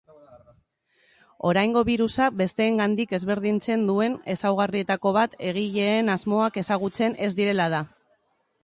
Oraingo birusa besteengandik ezberdintzen duen ezaugarrietako bat egileen asmoak ezagutzen ez direla da.